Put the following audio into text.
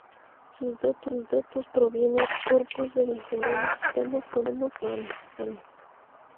Sus datos provienen del "Corpus del español mexicano contemporáneo".